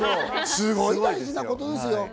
すごい大事なことですよ。